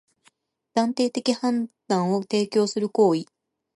断定的判断を提供する行為